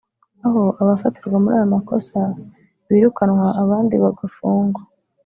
aho abafatirwa muri aya makosa birukanwa abandi bagafungwa